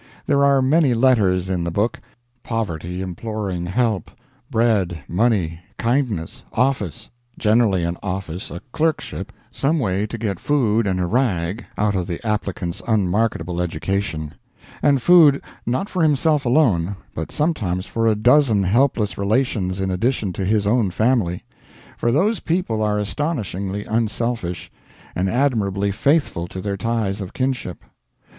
There are many letters in the book; poverty imploring help bread, money, kindness, office generally an office, a clerkship, some way to get food and a rag out of the applicant's unmarketable education; and food not for himself alone, but sometimes for a dozen helpless relations in addition to his own family; for those people are astonishingly unselfish, and admirably faithful to their ties of kinship.